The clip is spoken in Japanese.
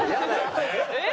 えっ？